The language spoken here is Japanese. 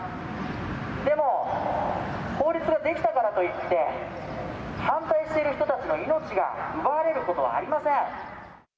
でも、法律ができたからといって、反対している人たちの命が奪われることはありません。